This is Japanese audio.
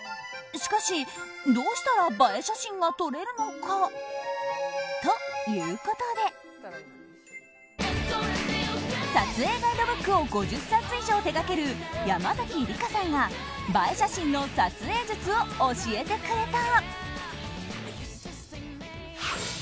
しかし、どうしたら映え写真が撮れるのか。ということで撮影ガイドブックを５０冊以上手掛ける山崎理佳さんが映え写真の撮影術を教えてくれた。